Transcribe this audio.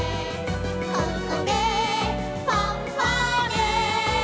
「ここでファンファーレ」